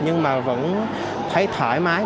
nhưng mà vẫn thấy thoải mái